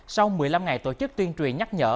sau một mươi năm ngày tổ chức tuyên truyền nhắc nhở